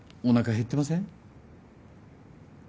おなか減ってません？